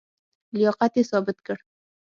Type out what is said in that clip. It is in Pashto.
لیاقت یې ثابت کړ.